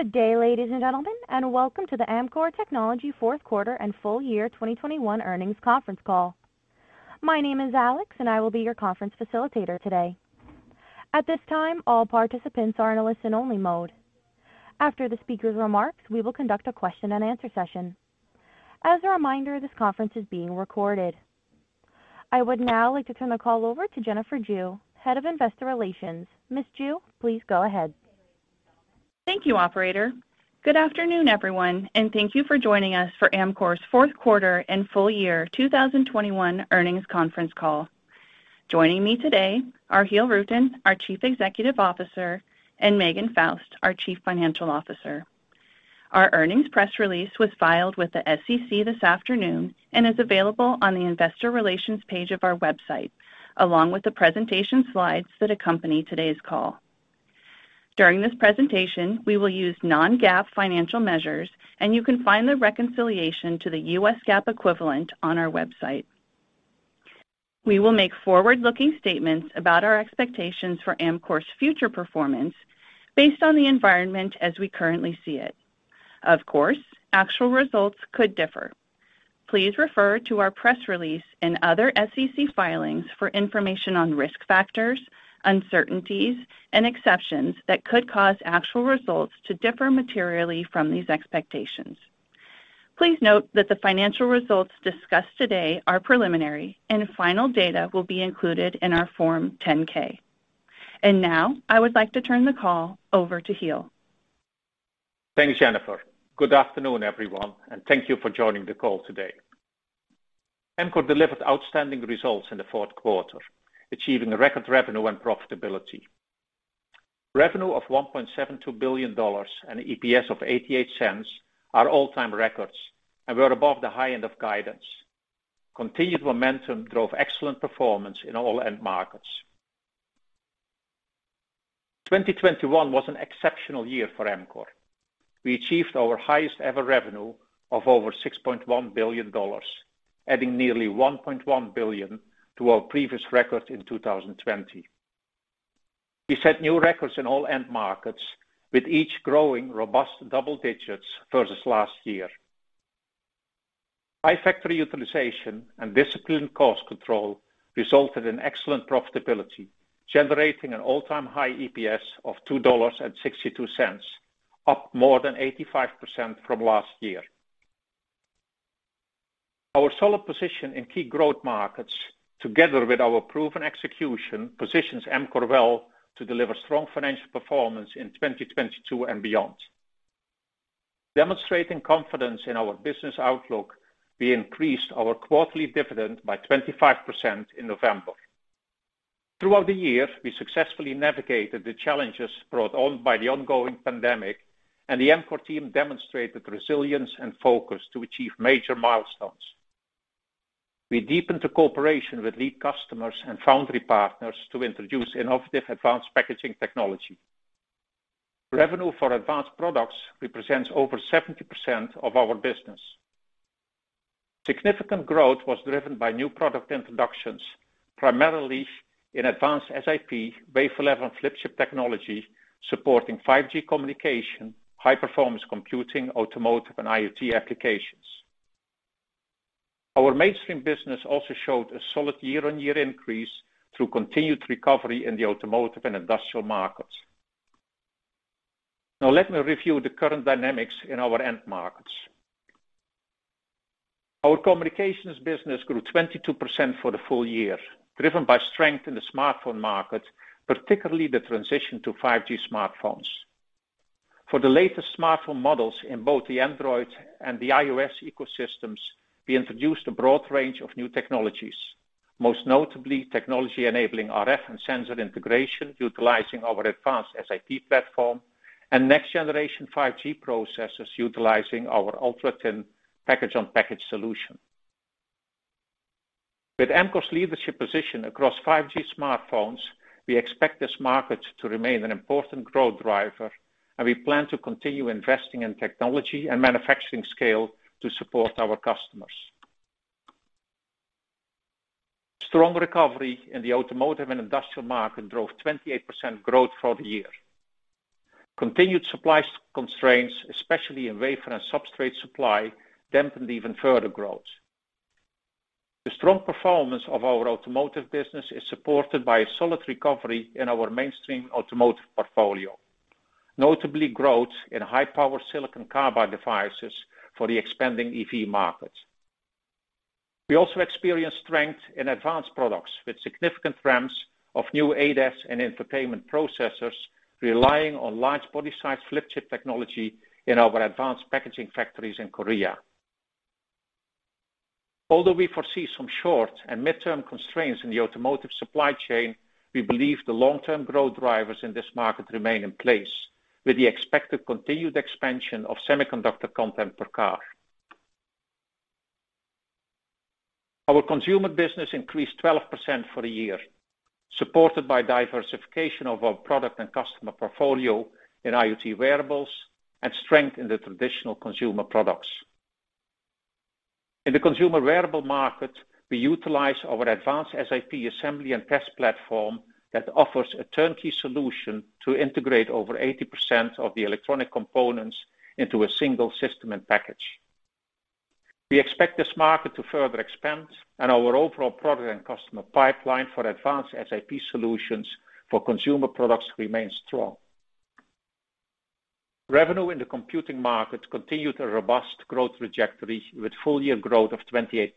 Good day, ladies and gentlemen, and welcome to the Amkor Technology Fourth Quarter and full year 2021 earnings conference call. My name is Alex, and I will be your conference facilitator today. At this time, all participants are in a listen-only mode. After the speaker's remarks, we will conduct a question and answer session. As a reminder, this conference is being recorded. I would now like to turn the call over to Jennifer Jue, Head of Investor Relations. Miss Jue, please go ahead. Thank you, Operator. Good afternoon, everyone, and thank you for joining us for Amkor's fourth quarter and full year 2021 earnings conference call. Joining me today are Giel Rutten, our Chief Executive Officer, and Megan Faust, our Chief Financial Officer. Our earnings press release was filed with the SEC this afternoon and is available on the investor relations page of our website, along with the presentation slides that accompany today's call. During this presentation, we will use non-GAAP financial measures, and you can find the reconciliation to the U.S. GAAP equivalent on our website. We will make forward-looking statements about our expectations for Amkor's future performance based on the environment as we currently see it. Of course, actual results could differ. Please refer to our press release and other SEC filings for information on risk factors, uncertainties, and exceptions that could cause actual results to differ materially from these expectations. Please note that the financial results discussed today are preliminary, and final data will be included in our Form 10-K. Now I would like to turn the call over to Giel. Thanks, Jennifer. Good afternoon, everyone, and thank you for joining the call today. Amkor delivered outstanding results in the fourth quarter, achieving a record revenue and profitability. Revenue of $1.72 billion and EPS of $0.88 are all-time records and were above the high end of guidance. Continued momentum drove excellent performance in all end markets. 2021 was an exceptional year for Amkor. We achieved our highest ever revenue of over $6.1 billion, adding nearly $1.1 billion to our previous record in 2020. We set new records in all end markets, with each growing robust double digits versus last year. High factory utilization and disciplined cost control resulted in excellent profitability, generating an all-time high EPS of $2.62, up more than 85% from last year. Our solid position in key growth markets, together with our proven execution, positions Amkor well to deliver strong financial performance in 2022 and beyond. Demonstrating confidence in our business outlook, we increased our quarterly dividend by 25% in November. Throughout the year, we successfully navigated the challenges brought on by the ongoing pandemic, and the Amkor team demonstrated resilience and focus to achieve major milestones. We deepened the cooperation with lead customers and foundry partners to introduce innovative advanced packaging technology. Revenue for advanced products represents over 70% of our business. Significant growth was driven by new product introductions, primarily in advanced SiP, wafer-level flip chip technology, supporting 5G communication, high-performance computing, automotive, and IoT applications. Our mainstream business also showed a solid year-on-year increase through continued recovery in the automotive and industrial markets. Now let me review the current dynamics in our end markets. Our communications business grew 22% for the full year, driven by strength in the smartphone market, particularly the transition to 5G smartphones. For the latest smartphone models in both the Android and the iOS ecosystems, we introduced a broad range of new technologies, most notably technology enabling RF and sensor integration, utilizing our advanced SiP platform and next generation 5G processors, utilizing our ultra thin Package-on-Package solution. With Amkor's leadership position across 5G smartphones, we expect this market to remain an important growth driver, and we plan to continue investing in technology and manufacturing scale to support our customers. Strong recovery in the automotive and industrial market drove 28% growth for the year. Continued supply constraints, especially in wafer and substrate supply, dampened even further growth. The strong performance of our automotive business is supported by a solid recovery in our mainstream automotive portfolio, notably growth in high-power silicon carbide devices for the expanding EV market. We also experienced strength in advanced products with significant ramps of new ADAS and infotainment processors, relying on large body size flip chip technology in our advanced packaging factories in Korea. Although we foresee some short and midterm constraints in the automotive supply chain, we believe the long-term growth drivers in this market remain in place with the expected continued expansion of semiconductor content per car. Our consumer business increased 12% for the year, supported by diversification of our product and customer portfolio in IoT wearables, and strength in the traditional consumer products. In the consumer wearable market, we utilize our advanced SiP assembly and test platform that offers a turnkey solution to integrate over 80% of the electronic components into a single system and package. We expect this market to further expand and our overall product and customer pipeline for advanced SiP solutions for consumer products remains strong. Revenue in the computing market continued a robust growth trajectory with full year growth of 28%.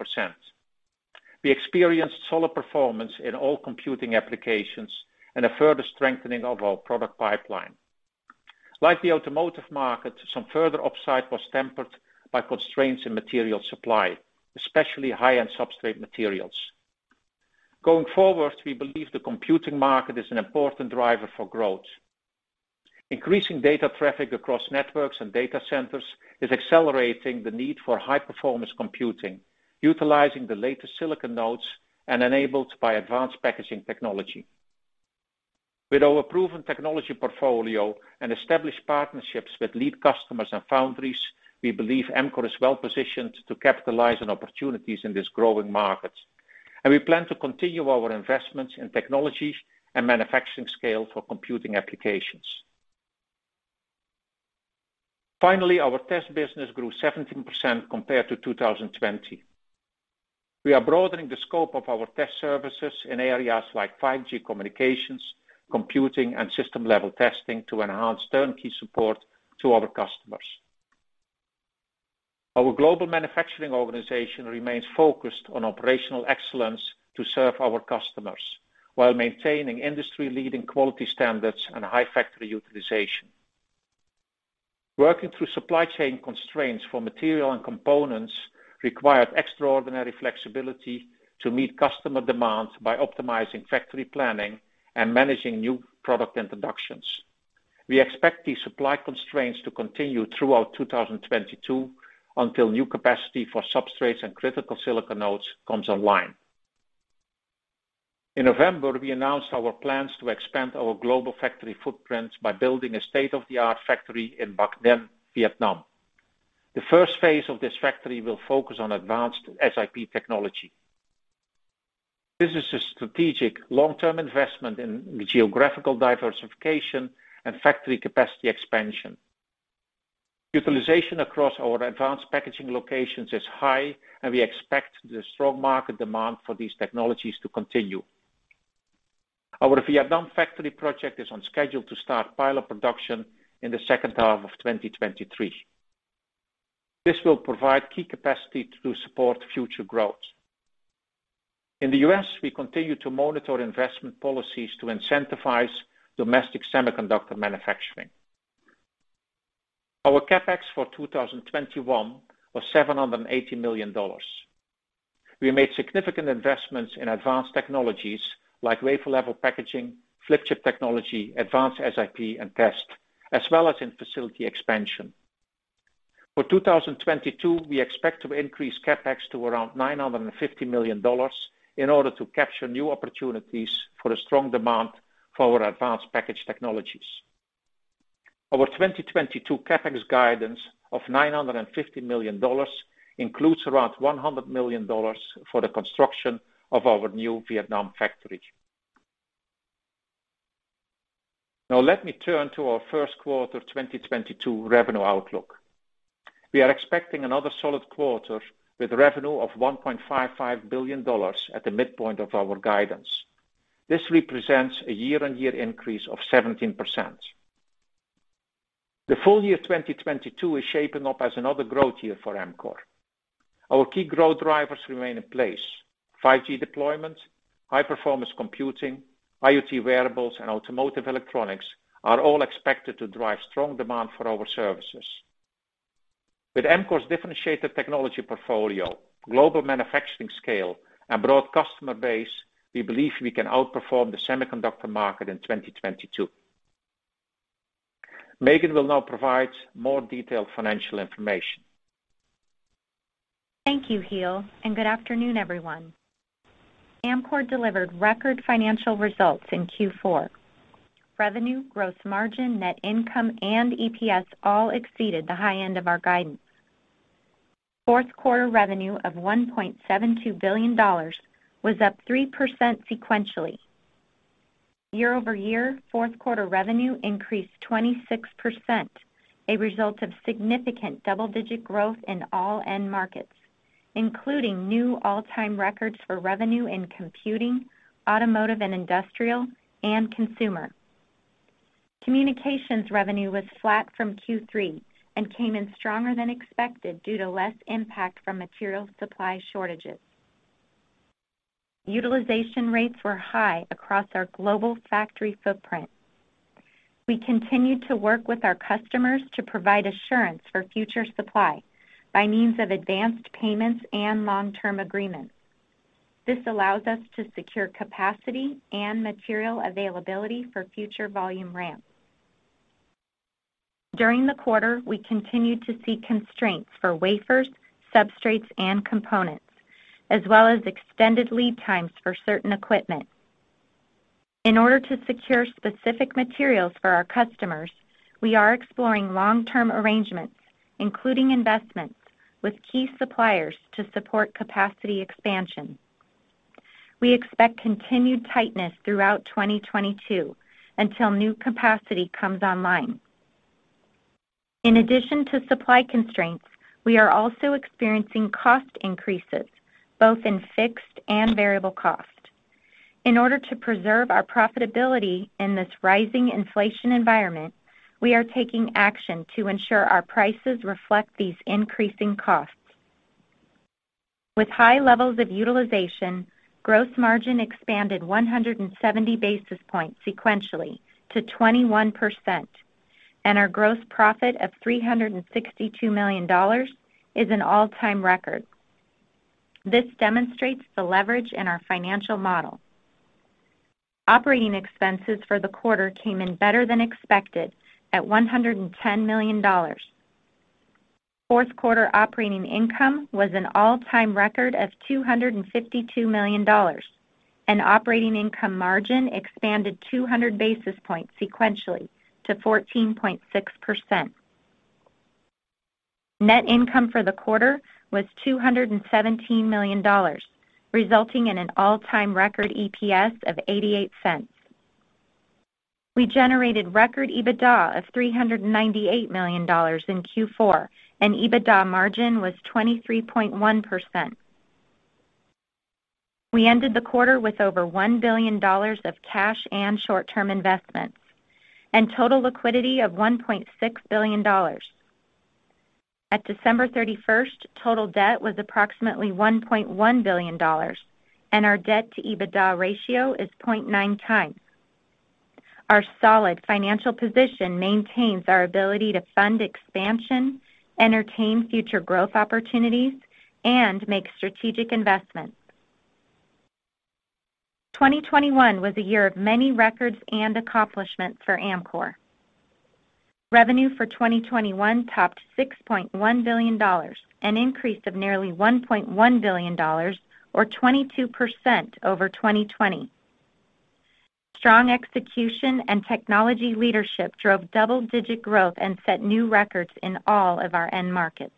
We experienced solid performance in all computing applications and a further strengthening of our product pipeline. Like the automotive market, some further upside was tempered by constraints in material supply, especially high-end substrate materials. Going forward, we believe the computing market is an important driver for growth. Increasing data traffic across networks and data centers is accelerating the need for high-performance computing, utilizing the latest silicon nodes and enabled by advanced packaging technology. With our proven technology portfolio and established partnerships with lead customers and foundries, we believe Amkor is well-positioned to capitalize on opportunities in this growing market, and we plan to continue our investments in technology and manufacturing scale for computing applications. Finally, our test business grew 17% compared to 2020. We are broadening the scope of our test services in areas like 5G communications, computing, and system-level testing to enhance turnkey support to our customers. Our global manufacturing organization remains focused on operational excellence to serve our customers while maintaining industry-leading quality standards and high factory utilization. Working through supply chain constraints for material and components required extraordinary flexibility to meet customer demands by optimizing factory planning and managing new product introductions. We expect these supply constraints to continue throughout 2022 until new capacity for substrates and critical silicon nodes comes online. In November, we announced our plans to expand our global factory footprints by building a state-of-the-art factory in Bac Ninh, Vietnam. The first phase of this factory will focus on advanced SiP technology. This is a strategic long-term investment in geographical diversification and factory capacity expansion. Utilization across our advanced packaging locations is high, and we expect the strong market demand for these technologies to continue. Our Vietnam factory project is on schedule to start pilot production in the second half of 2023. This will provide key capacity to support future growth. In the U.S., we continue to monitor investment policies to incentivize domestic semiconductor manufacturing. Our CapEx for 2021 was $780 million. We made significant investments in advanced technologies like wafer-level packaging, flip chip technology, advanced SiP and test, as well as in facility expansion. For 2022, we expect to increase CapEx to around $950 million in order to capture new opportunities for the strong demand for our advanced package technologies. Our 2022 CapEx guidance of $950 million includes around $100 million for the construction of our new Vietnam factory. Now let me turn to our first quarter 2022 revenue outlook. We are expecting another solid quarter with revenue of $1.55 billion at the midpoint of our guidance. This represents a year-on-year increase of 17%. The full year 2022 is shaping up as another growth year for Amkor. Our key growth drivers remain in place. 5G deployment, high performance computing, IoT wearables, and automotive electronics are all expected to drive strong demand for our services. With Amkor's differentiated technology portfolio, global manufacturing scale, and broad customer base, we believe we can outperform the semiconductor market in 2022. Megan will now provide more detailed financial information. Thank you, Giel, and good afternoon, everyone. Amkor delivered record financial results in Q4. Revenue, gross margin, net income, and EPS all exceeded the high end of our guidance. Fourth quarter revenue of $1.72 billion was up 3% sequentially. Year-over-year, fourth quarter revenue increased 26%, a result of significant double-digit growth in all end markets, including new all-time records for revenue in computing, automotive and industrial, and consumer. Communications revenue was flat from Q3 and came in stronger than expected due to less impact from material supply shortages. Utilization rates were high across our global factory footprint. We continued to work with our customers to provide assurance for future supply by means of advanced payments and long-term agreements. This allows us to secure capacity and material availability for future volume ramps. During the quarter, we continued to see constraints for wafers, substrates, and components, as well as extended lead times for certain equipment. In order to secure specific materials for our customers, we are exploring long-term arrangements, including investments with key suppliers to support capacity expansion. We expect continued tightness throughout 2022 until new capacity comes online. In addition to supply constraints, we are also experiencing cost increases both in fixed and variable cost. In order to preserve our profitability in this rising inflation environment, we are taking action to ensure our prices reflect these increasing costs. With high levels of utilization, gross margin expanded 170 basis points sequentially to 21%, and our gross profit of $362 million is an all-time record. This demonstrates the leverage in our financial model. Operating expenses for the quarter came in better than expected at $110 million. Fourth quarter operating income was an all-time record of $252 million, and operating income margin expanded 200 basis points sequentially to 14.6%. Net income for the quarter was $217 million, resulting in an all-time record EPS of $0.88. We generated record EBITDA of $398 million in Q4, and EBITDA margin was 23.1%. We ended the quarter with over $1 billion of cash and short-term investments and total liquidity of $1.6 billion. At December 31st, total debt was approximately $1.1 billion, and our debt-to-EBITDA ratio is 0.9x. Our solid financial position maintains our ability to fund expansion, entertain future growth opportunities, and make strategic investments. 2021 was a year of many records and accomplishments for Amkor. Revenue for 2021 topped $6.1 billion, an increase of nearly $1.1 billion or 22% over 2020. Strong execution and technology leadership drove double digit growth and set new records in all of our end markets.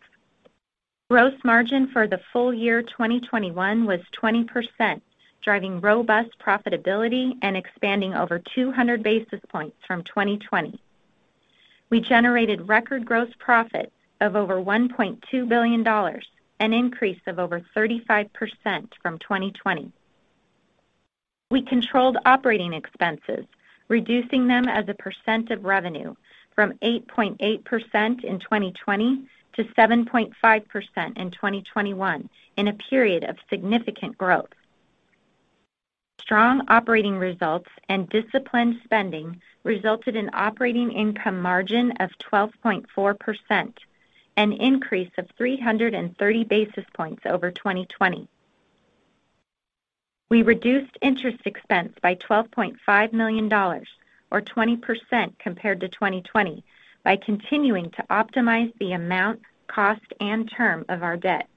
Gross margin for the full year 2021 was 20%, driving robust profitability and expanding over 200 basis points from 2020. We generated record gross profit of over $1.2 billion, an increase of over 35% from 2020. We controlled operating expenses, reducing them as a percent of revenue from 8.8% in 2020 to 7.5% in 2021 in a period of significant growth. Strong operating results and disciplined spending resulted in operating income margin of 12.4%, an increase of 330 basis points over 2020. We reduced interest expense by $12.5 million, or 20% compared to 2020, by continuing to optimize the amount, cost, and term of our debt.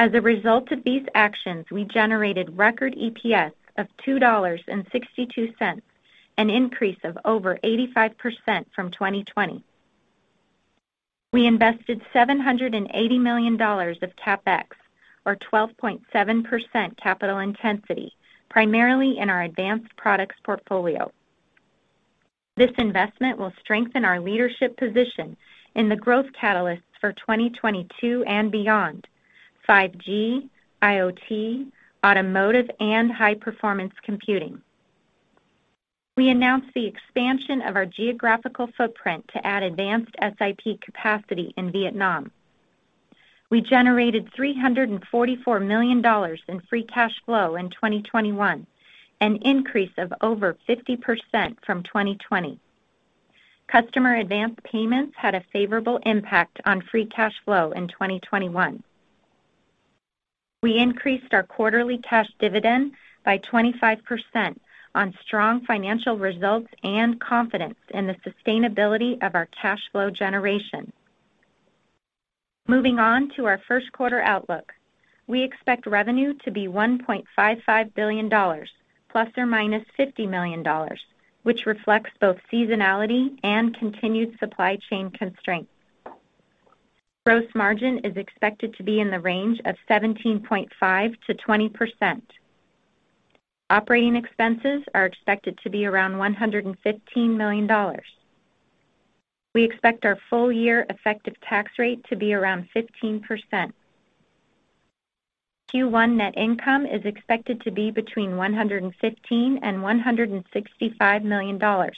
As a result of these actions, we generated record EPS of $2.62, an increase of over 85% from 2020. We invested $780 million of CapEx or 12.7% capital intensity, primarily in our advanced products portfolio. This investment will strengthen our leadership position in the growth catalysts for 2022 and beyond, 5G, IoT, automotive, and high performance computing. We announced the expansion of our geographical footprint to add advanced SiP capacity in Vietnam. We generated $344 million in free cash flow in 2021, an increase of over 50% from 2020. Customer advance payments had a favorable impact on free cash flow in 2021. We increased our quarterly cash dividend by 25% on strong financial results and confidence in the sustainability of our cash flow generation. Moving on to our first quarter outlook. We expect revenue to be $1.55 billion, ±$50 million, which reflects both seasonality and continued supply chain constraints. Gross margin is expected to be in the range of 17.5%-20%. Operating expenses are expected to be around $115 million. We expect our full year effective tax rate to be around 15%. Q1 net income is expected to be between $115 million and $165 million,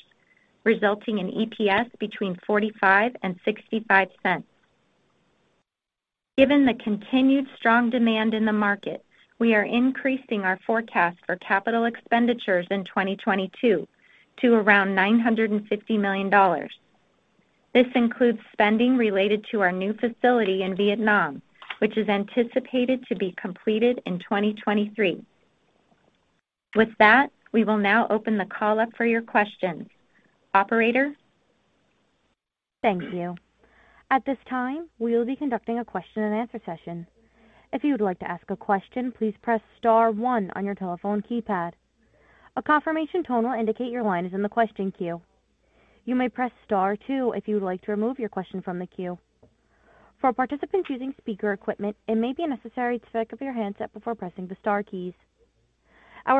resulting in EPS between $0.45 and $0.65. Given the continued strong demand in the market, we are increasing our forecast for CapEx in 2022 to around $950 million. This includes spending related to our new facility in Vietnam, which is anticipated to be completed in 2023. With that, we will now open the call up for your questions. Operator? Thank you. At this time, we will be conducting a question and answer session. If you would like to ask a question, please press star one on your telephone keypad. A confirmation tone will indicate your line is in the question queue. You may press star two if you would like to remove your question from the queue. Our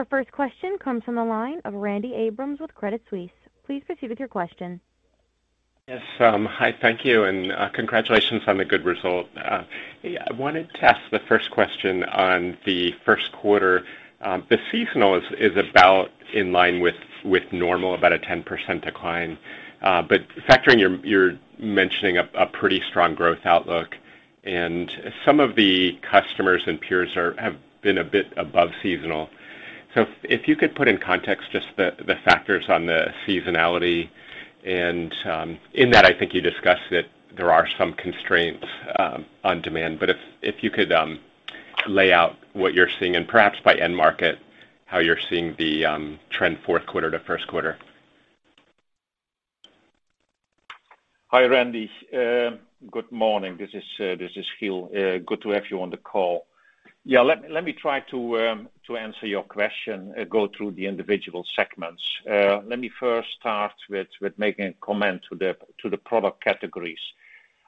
first question comes from the line of Randy Abrams with Credit Suisse. Please proceed with your question. Yes. Hi, thank you and congratulations on the good result. I wanted to ask the first question on the first quarter. The seasonal is about in line with normal, about a 10% decline. But factoring, you're mentioning a pretty strong growth outlook, and some of the customers and peers have been a bit above seasonal. If you could put in context just the factors on the seasonality, and in that, I think you discussed that there are some constraints on demand. If you could lay out what you're seeing and perhaps by end market, how you're seeing the trend fourth quarter to first quarter? Hi, Randy. Good morning. This is Giel. Good to have you on the call. Let me try to answer your question, go through the individual segments. Let me first start with making a comment to the product categories.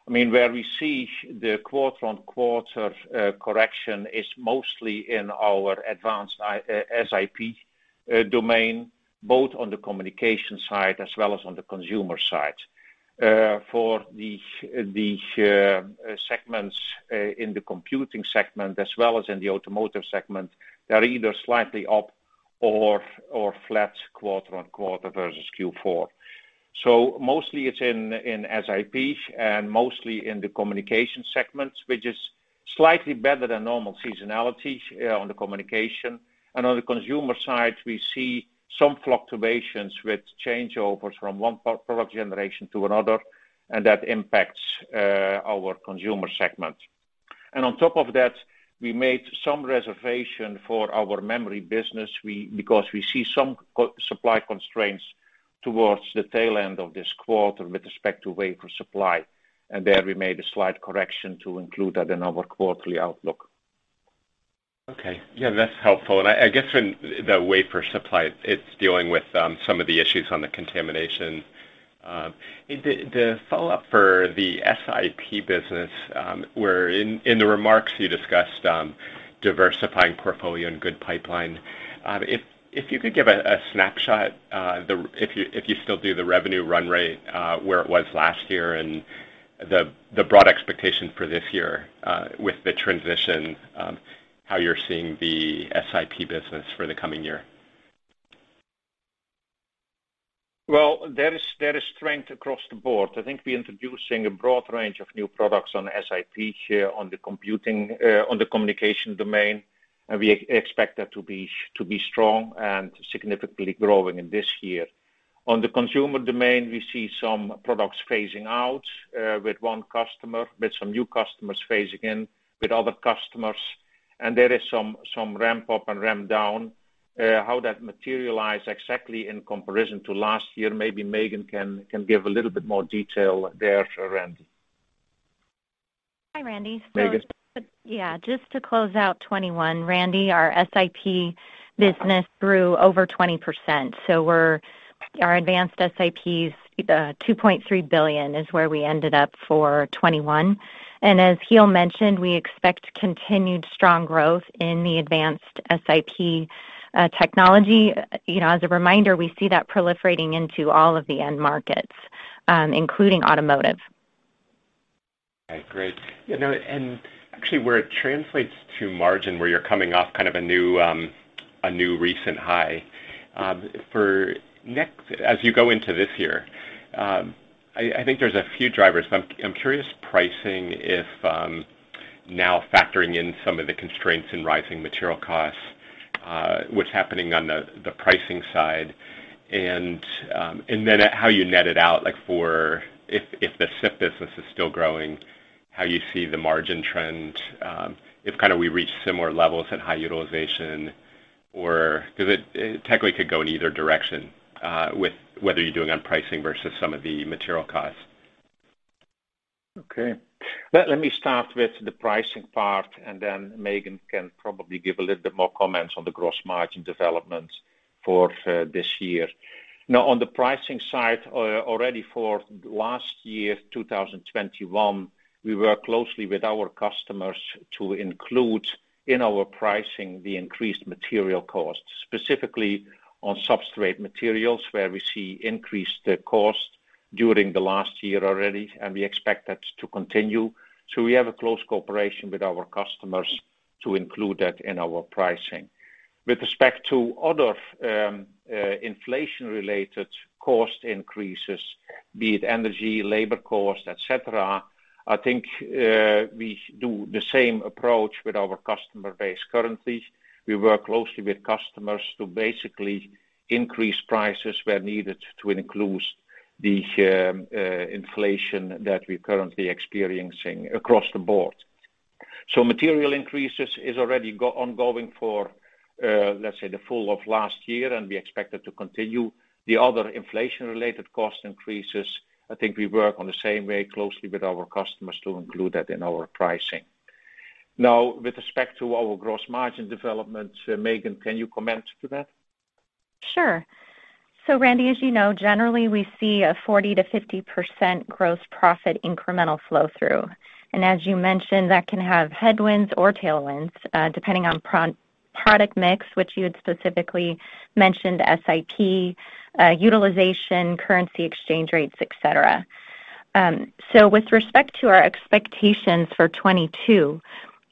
I mean, where we see the quarter-on-quarter correction is mostly in our advanced SiP domain, both on the communication side as well as on the consumer side. For the segments in the computing segment as well as in the automotive segment, they're either slightly up or flat quarter-on-quarter versus Q4. Mostly it's in SiP and mostly in the communication segments, which is slightly better than normal seasonality on the communication. On the consumer side, we see some fluctuations with changeovers from one product generation to another, and that impacts our consumer segment. On top of that, we made some provision for our memory business. Because we see some supply constraints towards the tail end of this quarter with respect to wafer supply. There we made a slight correction to include that in our quarterly outlook. Okay. Yeah, that's helpful. I guess in the wafer supply, it's dealing with some of the issues on the contamination. The follow-up for the SiP business, where in the remarks you discussed diversifying portfolio and good pipeline. If you could give a snapshot. If you still do the revenue run rate, where it was last year and the broad expectations for this year, with the transition, how you're seeing the SiP business for the coming year. Well, there is strength across the board. I think we're introducing a broad range of new products on SiP here on the computing, on the communication domain, and we expect that to be strong and significantly growing in this year. On the consumer domain, we see some products phasing out with one customer, with some new customers phasing in with other customers, and there is some ramp up and ramp down. How that materialize exactly in comparison to last year, maybe Megan can give a little bit more detail there for Randy. Hi, Randy. Megan? Yeah. Just to close out 2021, Randy, our SiP business grew over 20%. Our advanced SiPs, $2.3 billion is where we ended up for 2021. As Giel mentioned, we expect continued strong growth in the advanced SiP technology. You know, as a reminder, we see that proliferating into all of the end markets, including automotive. Okay, great. You know, actually where it translates to margin, where you're coming off kind of a new recent high, as you go into this year, I think there's a few drivers. I'm curious pricing if, now factoring in some of the constraints in rising material costs, what's happening on the pricing side? And then how you net it out, like for if the SIP business is still growing, how you see the margin trend? If kind of we reach similar levels and high utilization or. 'Cause it technically could go in either direction, with whether you're doing on pricing versus some of the material costs? Okay. Let me start with the pricing part, and then Megan can probably give a little bit more comments on the gross margin development for this year. Now, on the pricing side, already for last year, 2021, we worked closely with our customers to include in our pricing the increased material costs, specifically on substrate materials, where we see increased cost during the last year already, and we expect that to continue. We have a close cooperation with our customers to include that in our pricing. With respect to other inflation-related cost increases, be it energy, labor cost, et cetera, I think we do the same approach with our customer base currently. We work closely with customers to basically increase prices where needed to include the inflation that we're currently experiencing across the board. Material increases is already ongoing for, let's say, the full year of last year, and we expect it to continue. The other inflation-related cost increases, I think we work on the same way closely with our customers to include that in our pricing. Now, with respect to our gross margin development, Megan, can you comment on that? Sure. Randy, as you know, generally we see a 40%-50% gross profit incremental flow through. As you mentioned, that can have headwinds or tailwinds, depending on product mix, which you had specifically mentioned SiP, utilization, currency exchange rates, etc. With respect to our expectations for 2022,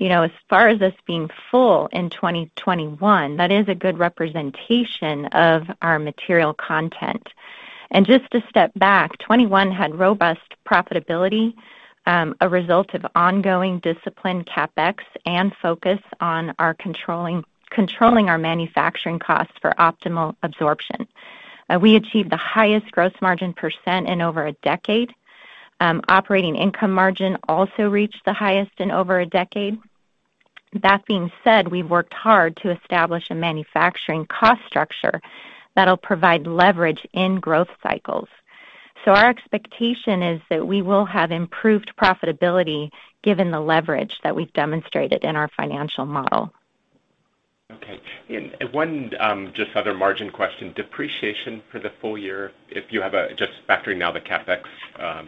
you know, as far as us being full in 2021, that is a good representation of our material content. Just to step back, 2021 had robust profitability, a result of ongoing disciplined CapEx and focus on our controlling our manufacturing costs for optimal absorption. We achieved the highest gross margin % in over a decade. Operating income margin also reached the highest in over a decade. That being said, we've worked hard to establish a manufacturing cost structure that'll provide leverage in growth cycles. Our expectation is that we will have improved profitability given the leverage that we've demonstrated in our financial model. Okay. One just other margin question, depreciation for the full year, if you have just factoring in the CapEx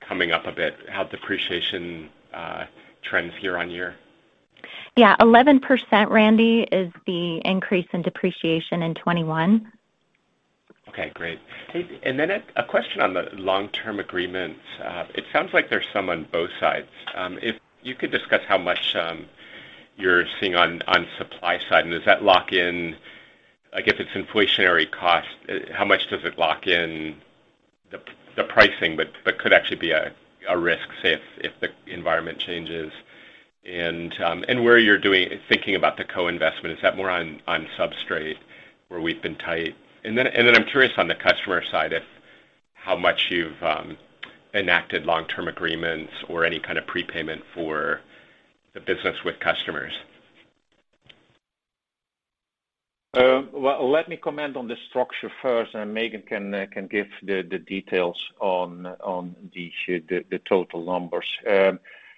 coming up a bit, how depreciation trends year-over-year? Yeah. 11%, Randy, is the increase in depreciation in 2021. Okay, great. Then a question on the long-term agreements. It sounds like there's some on both sides. If you could discuss how much you're seeing on supply side, and does that lock in. Like, if it's inflationary cost, how much does it lock in the pricing, but could actually be a risk if the environment changes? Then, where you're thinking about the co-investment, is that more on substrate where we've been tight? Then I'm curious on the customer side, if how much you've enacted long-term agreements or any kind of prepayment for the business with customers. Well, let me comment on the structure first, and Megan can give the details on the total numbers.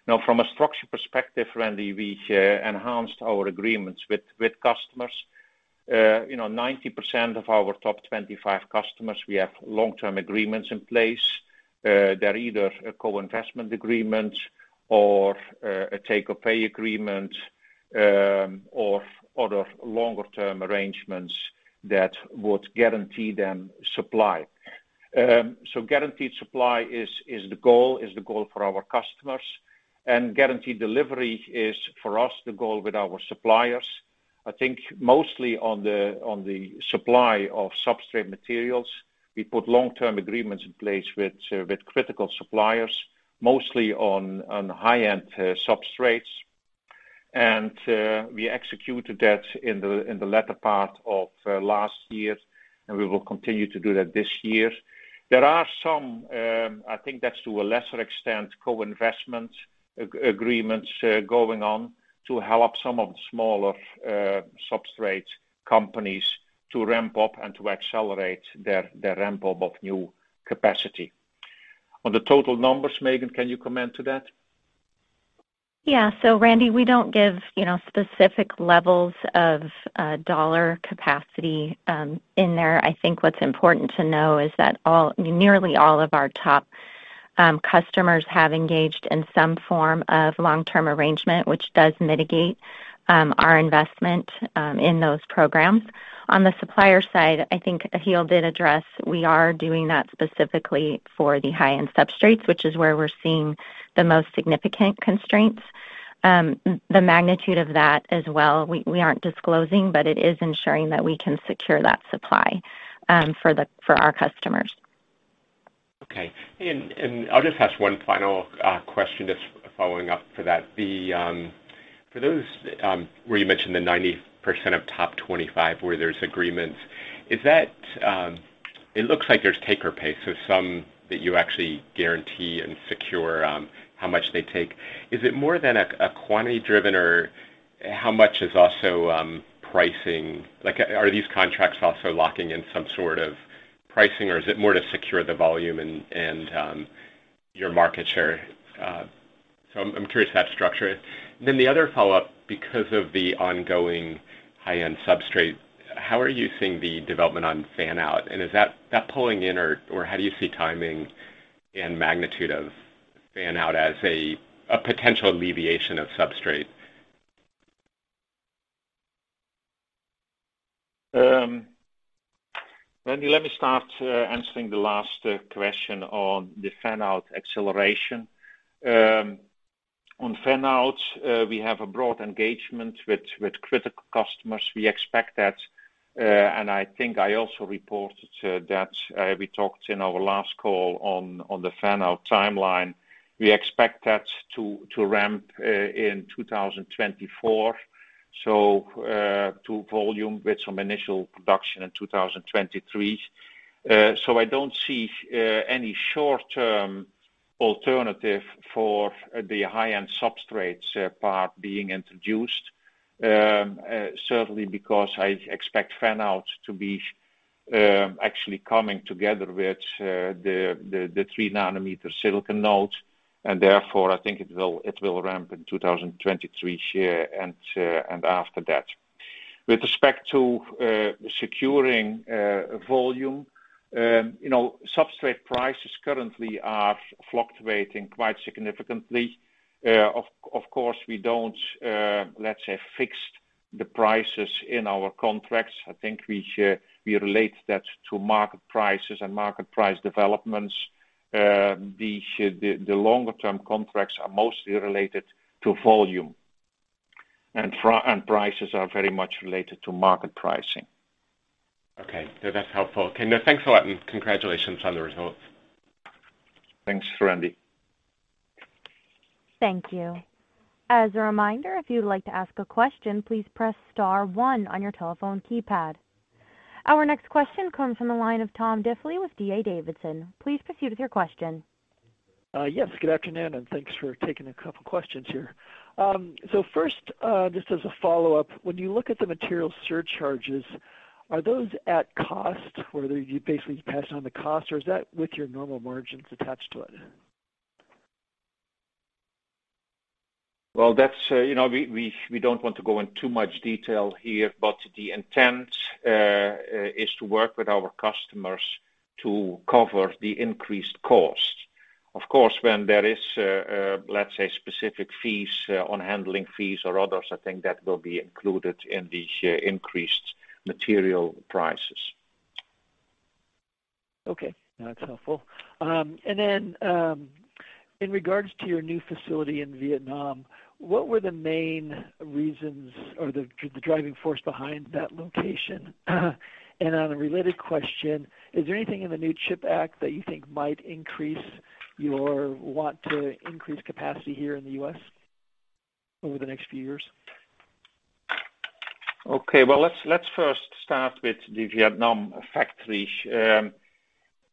Now from a structure perspective, Randy, we enhanced our agreements with customers. You know, 90% of our top 25 customers, we have long-term agreements in place. They're either a co-investment agreement or a take or pay agreement, or other longer-term arrangements that would guarantee them supply. Guaranteed supply is the goal for our customers, and guaranteed delivery is, for us, the goal with our suppliers. I think mostly on the supply of substrate materials, we put long-term agreements in place with critical suppliers, mostly on high-end substrates. We executed that in the latter part of last year, and we will continue to do that this year. There are some, I think that's to a lesser extent, co-investment agreements going on to help some of the smaller substrate companies to ramp up and to accelerate their ramp up of new capacity. On the total numbers, Megan, can you comment to that? Yeah. Randy, we don't give, you know, specific levels of dollar capacity in there. I think what's important to know is that nearly all of our top customers have engaged in some form of long-term arrangement, which does mitigate our investment in those programs. On the supplier side, I think Giel did address we are doing that specifically for the high-end substrates, which is where we're seeing the most significant constraints. The magnitude of that as well, we aren't disclosing, but it is ensuring that we can secure that supply for our customers. Okay. I'll just ask one final question just following up for that. For those where you mentioned the 90% of top 25 where there's agreements. It looks like there's take or pay, so some that you actually guarantee and secure how much they take. Is it more than a quantity driven or how much is also pricing? Like, are these contracts also locking in some sort of pricing, or is it more to secure the volume and your market share? I'm curious how that structure is? The other follow-up, because of the ongoing high-end substrate, how are you seeing the development on fan-out? Is that pulling in or how do you see timing and magnitude of fan-out as a potential alleviation of substrate? Randy, let me start answering the last question on the fan-out acceleration. On fan-out, we have a broad engagement with critical customers. We expect that, and I think I also reported that, we talked in our last call on the fan-out timeline. We expect that to ramp in 2024 to volume with some initial production in 2023. I don't see any short-term alternative for the high-end substrates part being introduced. Certainly because I expect fan-out to be actually coming together with the 3 nm silicon nodes, and therefore I think it will ramp in 2023 and after that. With respect to securing volume, you know, substrate prices currently are fluctuating quite significantly. Of course, we don't, let's say, fix the prices in our contracts. I think we relate that to market prices and market price developments. The longer-term contracts are mostly related to volume. Prices are very much related to market pricing. Okay. That's helpful. Okay. No, thanks a lot, and congratulations on the results. Thanks, Randy. Thank you. As a reminder, if you'd like to ask a question, please press star one on your telephone keypad. Our next question comes from the line of Tom Diffely with D.A. Davidson. Please proceed with your question. Yes. Good afternoon, and thanks for taking a couple questions here. First, just as a follow-up, when you look at the material surcharges, are those at cost, whether you basically pass on the cost, or is that with your normal margins attached to it? Well, that's. You know, we don't want to go in too much detail here, but the intent is to work with our customers to cover the increased cost. Of course, when there is, let's say, specific fees on handling fees or others, I think that will be included in the increased material prices. Okay. That's helpful. In regards to your new facility in Vietnam, what were the main reasons or the driving force behind that location? On a related question, is there anything in the new CHIPS Act that you think might increase your want to increase capacity here in the U.S. over the next few years? Okay. Well, let's first start with the Vietnam factory.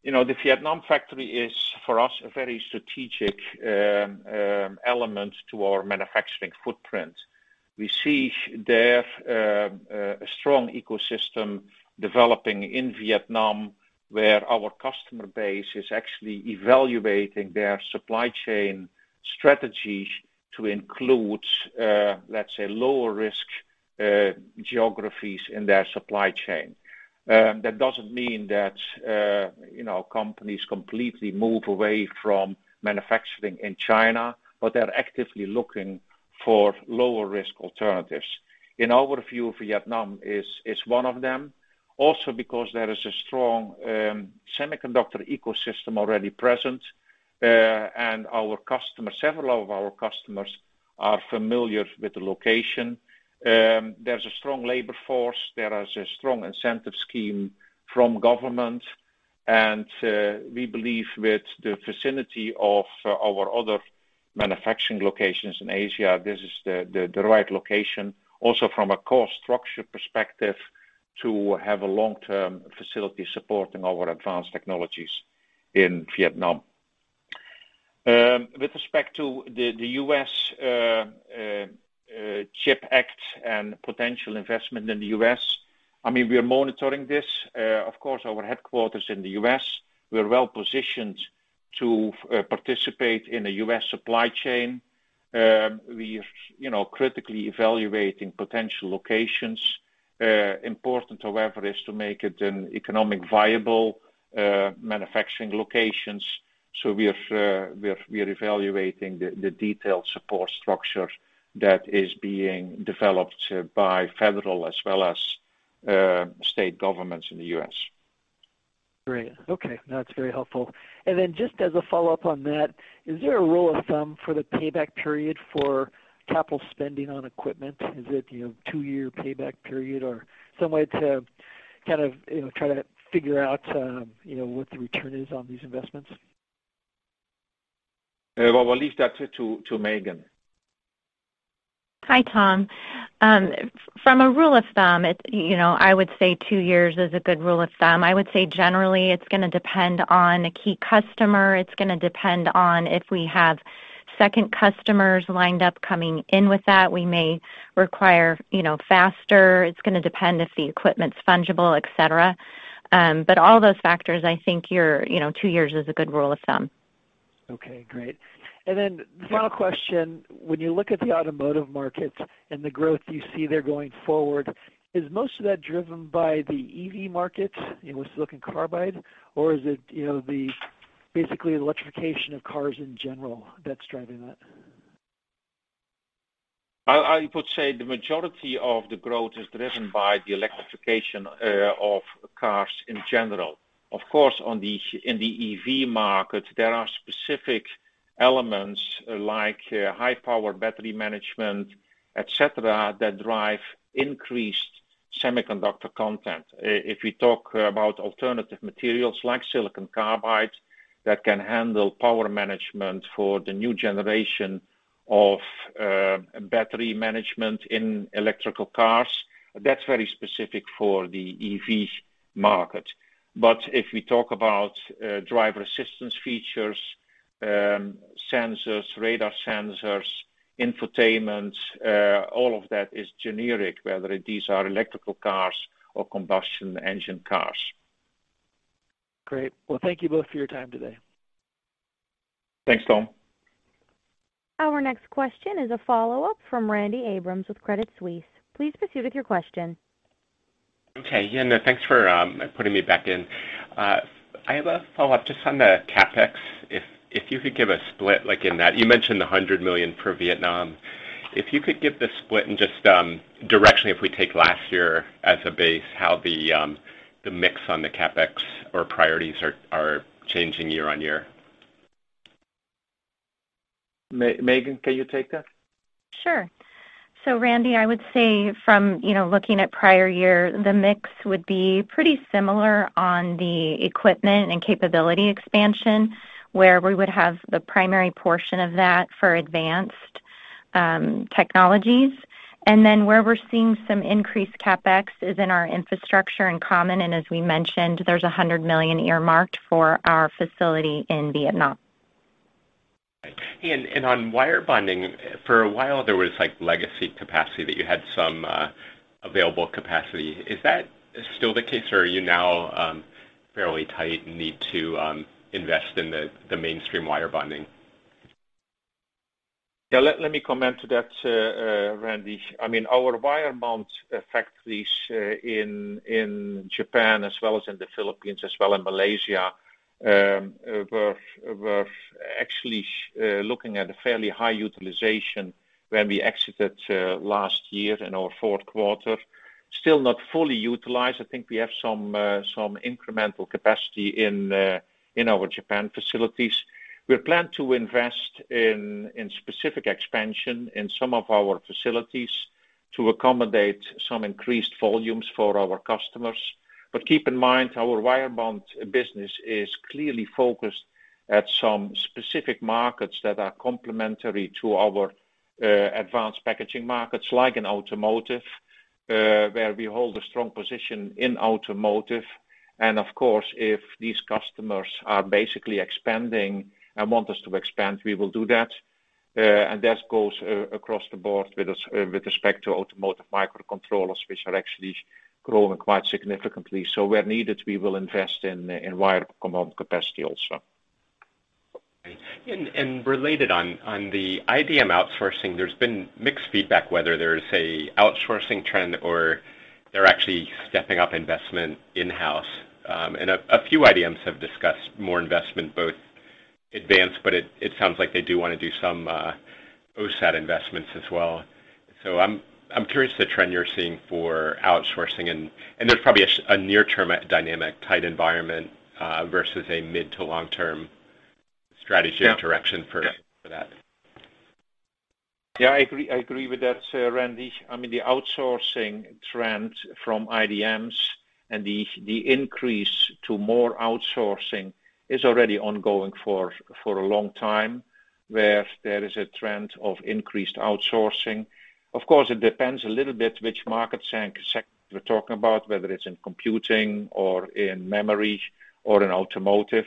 You know, the Vietnam factory is for us a very strategic element to our manufacturing footprint. We see there a strong ecosystem developing in Vietnam, where our customer base is actually evaluating their supply chain strategy to include, let's say, lower risk geographies in their supply chain. That doesn't mean that you know, companies completely move away from manufacturing in China, but they're actively looking for lower risk alternatives. In our view, Vietnam is one of them. Also, because there is a strong semiconductor ecosystem already present, and our customers, several of our customers are familiar with the location. There's a strong labor force. There is a strong incentive scheme from government. We believe with the vicinity of our other manufacturing locations in Asia, this is the right location, also from a cost structure perspective, to have a long-term facility supporting our advanced technologies in Vietnam. With respect to the U.S. CHIPS Act and potential investment in the U.S., I mean, we are monitoring this. Of course, our headquarters in the U.S., we're well-positioned to participate in the U.S. supply chain. We are, you know, critically evaluating potential locations. Important, however, is to make it an economically viable manufacturing locations. We are evaluating the detailed support structure that is being developed by federal as well as state governments in the U.S. Great. Okay. That's very helpful. Just as a follow-up on that, is there a rule of thumb for the payback period for capital spending on equipment? Is it, you know, two-year payback period or some way to kind of, you know, try to figure out, you know, what the return is on these investments? Well, we'll leave that to Megan. Hi, Tom. From a rule of thumb, you know, I would say two years is a good rule of thumb. I would say generally it's gonna depend on a key customer. It's gonna depend on if we have second customers lined up coming in with that. We may require, you know, faster. It's gonna depend if the equipment's fungible, et cetera. All those factors, I think your, you know, two years is a good rule of thumb. Okay, great. Final question. When you look at the automotive markets and the growth you see there going forward, is most of that driven by the EV market with silicon carbide, or is it, you know, basically the electrification of cars in general that's driving that? I would say the majority of the growth is driven by the electrification of cars in general. Of course, in the EV market, there are specific elements like high power battery management, et cetera, that drive increased semiconductor content. If we talk about alternative materials like silicon carbide that can handle power management for the new generation of battery management in electric cars, that's very specific for the EV market. If we talk about driver assistance features, sensors, radar sensors, infotainment, all of that is generic, whether these are electric cars or combustion engine cars. Great. Well, thank you both for your time today. Thanks, Tom. Our next question is a follow-up from Randy Abrams with Credit Suisse. Please proceed with your question. Okay. Yeah. No, thanks for putting me back in. I have a follow-up just on the CapEx. If you could give a split, like in that you mentioned the $100 million for Vietnam. If you could give the split and just directionally, if we take last year as a base, how the mix on the CapEx or priorities are changing year-over-year. Megan, can you take that? Sure. Randy, I would say from, you know, looking at prior year, the mix would be pretty similar on the equipment and capability expansion, where we would have the primary portion of that for advanced technologies. Then where we're seeing some increased CapEx is in our infrastructure and common, and as we mentioned, there's $100 million earmarked for our facility in Vietnam. Right. On wire bonding, for a while, there was like legacy capacity that you had some available capacity. Is that still the case or are you now fairly tight and need to invest in the mainstream wire bonding? Yeah. Let me comment to that, Randy. I mean, our wire bond factories in Japan as well as in the Philippines, as well as in Malaysia, were actually looking at a fairly high utilization when we exited last year in our fourth quarter. Still not fully utilized. I think we have some incremental capacity in our Japan facilities. We plan to invest in specific expansion in some of our facilities to accommodate some increased volumes for our customers. Keep in mind, our wire bond business is clearly focused at some specific markets that are complementary to our advanced packaging markets, like in automotive, where we hold a strong position in automotive. Of course, if these customers are basically expanding and want us to expand, we will do that. That goes across the board with us with respect to automotive microcontrollers, which are actually growing quite significantly. Where needed, we will invest in wire bond capacity also. Related to the IDM outsourcing, there's been mixed feedback whether there's a outsourcing trend or they're actually stepping up investment in-house. A few IDMs have discussed more investment both advanced, but it sounds like they do wanna do some OSAT investments as well. I'm curious about the trend you're seeing for outsourcing and there's probably a near-term dynamic tight environment versus a mid- to long-term strategy or direction. Yeah. For that? Yeah, I agree with that, Randy. I mean, the outsourcing trend from IDMs and the increase to more outsourcing is already ongoing for a long time, where there is a trend of increased outsourcing. Of course, it depends a little bit which market and sector we're talking about, whether it's in computing or in memory or in automotive.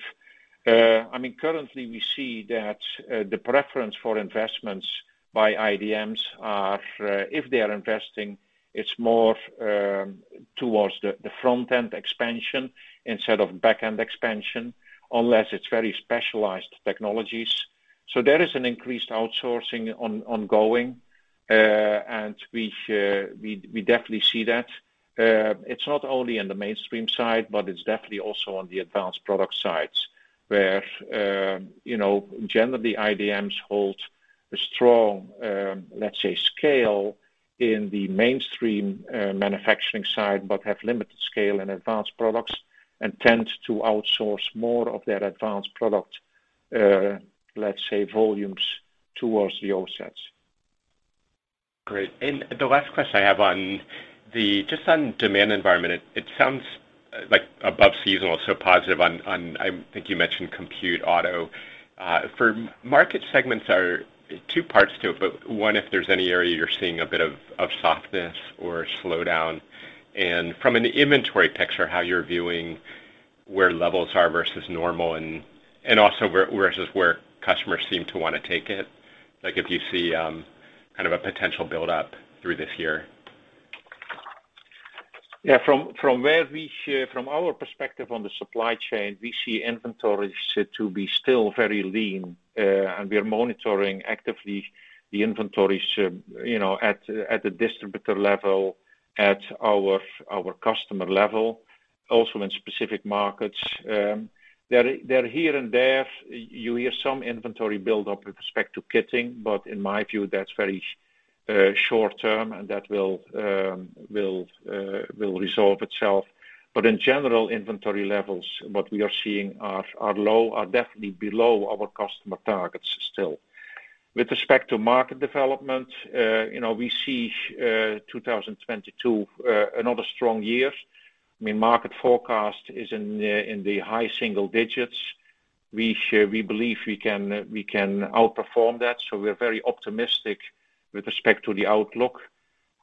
I mean, currently we see that the preference for investments by IDMs are, if they are investing, it's more towards the front-end expansion instead of back-end expansion, unless it's very specialized technologies. There is an increased outsourcing ongoing, and we definitely see that. It's not only in the mainstream side, but it's definitely also on the advanced product sides where, you know, generally IDMs hold a strong, let's say, scale in the mainstream manufacturing side, but have limited scale in advanced products and tend to outsource more of their advanced product, let's say, volumes towards the OSATs. Great. The last question I have on the just on demand environment, it sounds like above seasonal, so positive on, I think you mentioned compute auto. For market segments are two parts to it, but one, if there's any area you're seeing a bit of softness or slowdown. From an inventory picture, how you're viewing where levels are versus normal and also versus where customers seem to wanna take it. Like, if you see kind of a potential build-up through this year. From our perspective on the supply chain, we see inventories to be still very lean, and we are monitoring actively the inventories, you know, at the distributor level, at our customer level, also in specific markets. Here and there, you hear some inventory build up with respect to kitting, but in my view, that's very short term, and that will resolve itself. In general, inventory levels what we are seeing are low, definitely below our customer targets still. With respect to market development, you know, we see 2022 another strong year. I mean, market forecast is in the high single digits%. We believe we can outperform that. We are very optimistic with respect to the outlook. On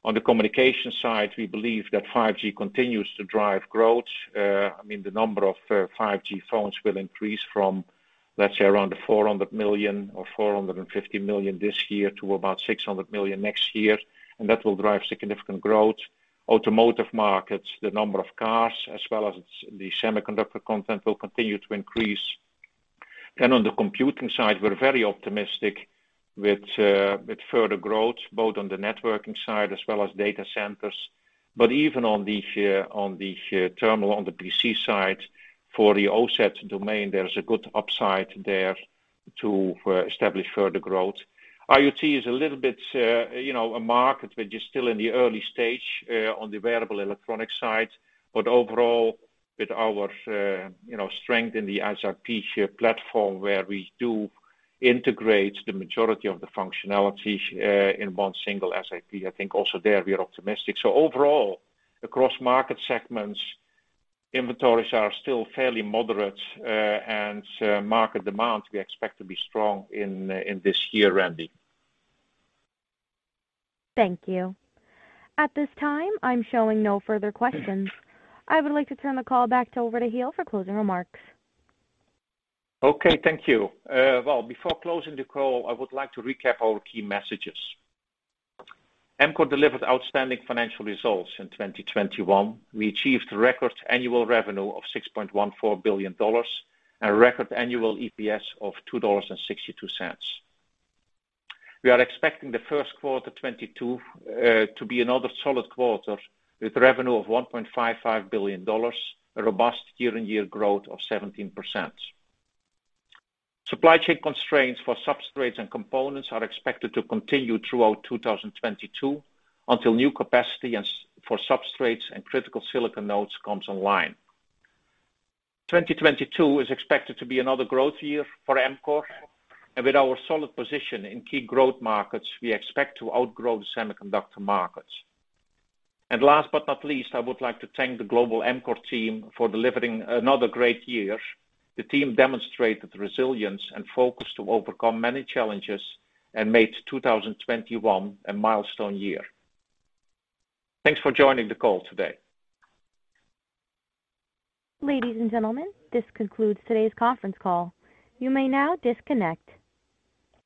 the communication side, we believe that 5G continues to drive growth. I mean, the number of 5G phones will increase from, let's say, around 400 million or 450 million this year to about 600 million next year. That will drive significant growth. Automotive markets, the number of cars as well as the semiconductor content will continue to increase. On the computing side, we're very optimistic with further growth, both on the networking side as well as data centers. Even on the terminal, on the PC side, for the OSAT domain, there's a good upside there to establish further growth. IoT is a little bit, you know, a market which is still in the early stage, on the wearable electronic side. Overall, with our you know strength in the SiP platform where we do integrate the majority of the functionality in one single SiP, I think also there we are optimistic. Overall, across market segments, inventories are still fairly moderate, and market demand, we expect to be strong in this year, Randy. Thank you. At this time, I'm showing no further questions. I would like to turn the call back over to Giel for closing remarks. Okay, thank you. Well, before closing the call, I would like to recap our key messages. Amkor delivered outstanding financial results in 2021. We achieved record annual revenue of $6.14 billion and a record annual EPS of $2.62. We are expecting the first quarter 2022 to be another solid quarter with revenue of $1.55 billion, a robust year-on-year growth of 17%. Supply chain constraints for substrates and components are expected to continue throughout 2022 until new capacity and supply for substrates and critical silicon nodes comes online. 2022 is expected to be another growth year for Amkor, and with our solid position in key growth markets, we expect to outgrow the semiconductor markets. Last but not least, I would like to thank the global Amkor team for delivering another great year. The team demonstrated resilience and focus to overcome many challenges and made 2021 a milestone year. Thanks for joining the call today. Ladies and gentlemen, this concludes today's conference call. You may now disconnect.